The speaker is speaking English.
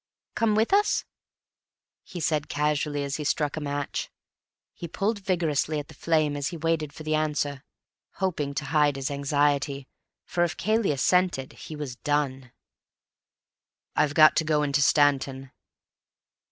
"Come with us?" he said casually, as he struck a match. He pulled vigorously at the flame as he waited for the answer, hoping to hide his anxiety, for if Cayley assented, he was done. "I've got to go into Stanton."